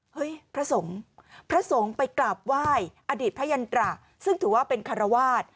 พระสงฆ์พระสงฆ์ไปกราบไหว้อดีตพระยันตระซึ่งถือว่าเป็นคารวาส